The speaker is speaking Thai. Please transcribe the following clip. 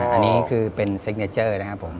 อันนี้คือเป็นซิกเนเจอร์นะครับผม